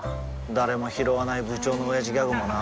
誰もひろわない部長のオヤジギャグもな